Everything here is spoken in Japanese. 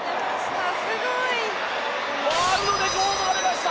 ワールドレコードが出ました！